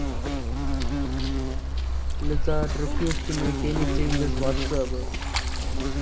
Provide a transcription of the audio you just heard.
Izzard refused to make any changes whatsoever.